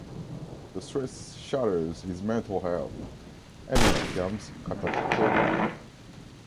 The stress shatters his mental health, and he becomes catatonic.